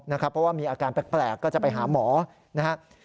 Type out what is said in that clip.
เพราะว่ามีอาการแปลกก็จะไปหาหมอนะครับ